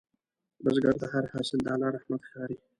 بزګر ته هر حاصل د الله رحمت ښکاري